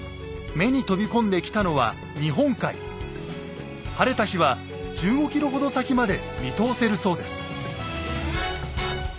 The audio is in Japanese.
目に飛び込んできたのは晴れた日は１５ｋｍほど先まで見通せるそうです。